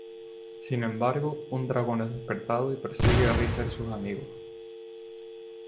Sin embargo, un dragón es despertado y persigue a Richard y sus amigos.